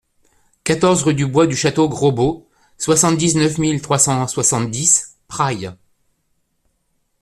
quatorze rue du Bois du Château Gros Bo, soixante-dix-neuf mille trois cent soixante-dix Prailles